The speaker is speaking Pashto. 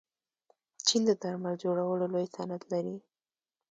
چین د درمل جوړولو لوی صنعت لري.